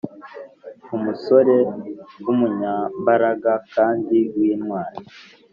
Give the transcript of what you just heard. f umusore w umunyambaraga kandi w intwari